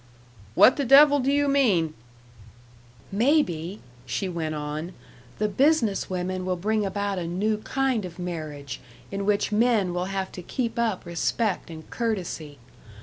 "What the devil do you mean " "Maybe," she went on, "the business women will bring about a new kind of marriage in which men will have to keep up respect and courtesy....